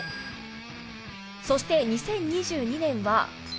そして２０２２年は。